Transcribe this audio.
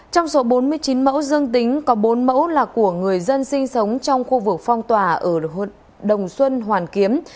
trong số bốn mươi chín mẫu dương tính có bốn mẫu là của người dân sinh sống trong khu vực phong tỏa ở đồng xuân hoàn kiếm